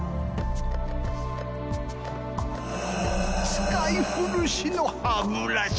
使い古しの歯ブラシ。